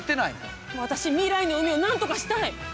私未来の海をなんとかしたい！